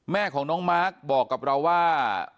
แม่ของน้องบอกกับเราว่า